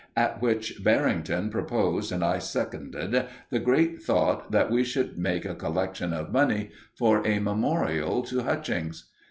at which Barrington proposed and I seconded the great thought that we should make a collection of money for a memorial to Hutchings.